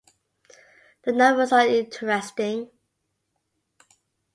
The numbers are interesting.